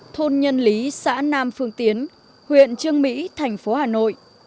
thôn nhân lý xã nam phương tiến huyện trương mỹ thành phố hà nội